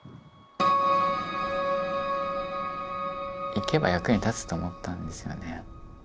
行けば役に立つと思ったんですよね。